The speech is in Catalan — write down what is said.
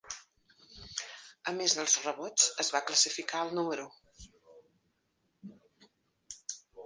A més dels rebots, es va classificar el número